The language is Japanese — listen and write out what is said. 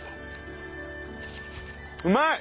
うまい！